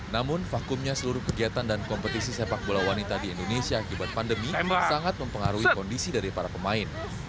namun vakumnya seluruh kegiatan dan kompetisi sepak bola wanita di indonesia akibat pandemi sangat mempengaruhi kondisi dari para pemain